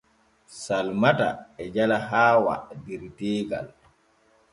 Salmata e jala Hawwq der teegal.